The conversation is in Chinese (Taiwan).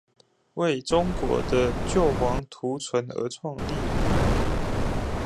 為中國的救亡圖存而創立